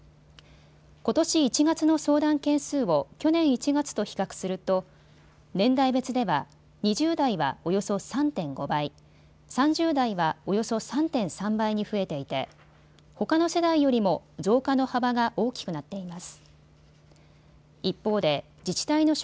ことし１月の相談件数を去年１月と比較すると年代別では２０代はおよそ３．５倍、３０代はおよそ３．３倍に増えていてほかの世代よりも増加の幅が大きくなっています。